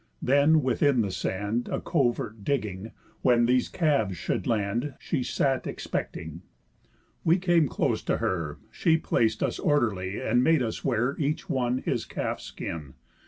Then, within the sand A covert digging, when these calves should land, She sat expecting. We came close to her; She plac'd us orderly, and made us wear Each one his calf's skin.